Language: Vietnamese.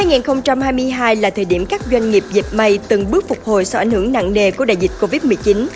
năm hai nghìn hai mươi hai là thời điểm các doanh nghiệp dịch may từng bước phục hồi sau ảnh hưởng nặng nề của đại dịch covid một mươi chín